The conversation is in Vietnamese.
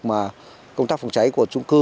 mà công tác phòng cháy của trung cư